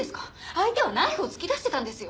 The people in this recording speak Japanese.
相手はナイフを突き出してたんですよ。